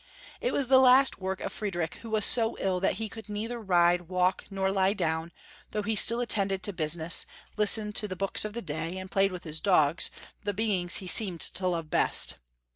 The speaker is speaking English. It was the last work of Fried rich, who was so ill that he could neither ride, walk, nor lie down, though he still attended to business, listened to the books of the day, and played with his dogs, the beings he seemed to love best.